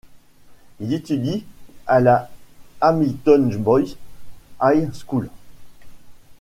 Il étudie à la Hamilton Boys' High School.